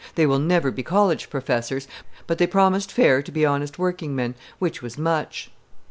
They will never be college professors, but they promised fair to be honest workingmen, which was much.